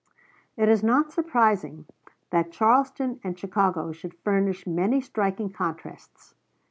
It is not surprising that Charleston and Chicago should furnish many striking contrasts.